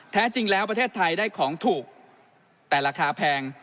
แท้จริงแล้วประเทศไทยได้ของถูกแต่ราคาแพง